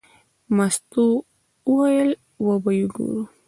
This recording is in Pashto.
مستو وویل: وبه یې ګورې.